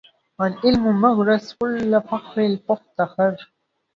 العلم مغرس كل فخر فافتخر